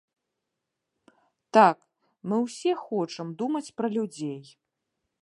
Так, мы ўсе хочам думаць пра людзей.